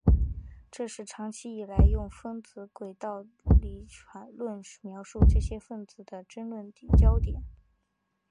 这是长期以来用分子轨道理论描述这些分子的争论焦点。